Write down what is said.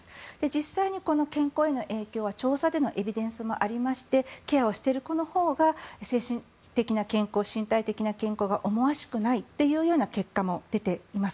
実際に健康への影響は調査でのエビデンスもありましてケアをしている子のほうが精神的な健康身体的な健康が思わしくないという結果も出ています。